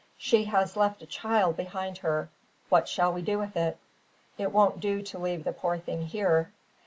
"She has left a child behind her. What shall we do with it? It won't do to leave the poor thing here."